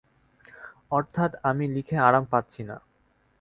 অর্থাৎ আমি লিখে আরাম পাচ্ছি না।